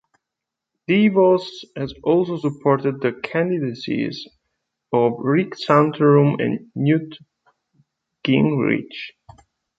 DeVos has also supported the candidacies of Rick Santorum and Newt Gingrich.